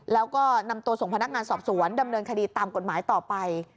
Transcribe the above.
แล้วก็นำตัวส่งพนักงานสอบสวนดำเนินคดีตามกฎหมายต่อไป